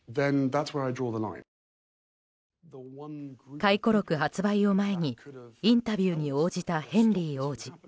回顧録発売を前にインタビューに応じたヘンリー王子。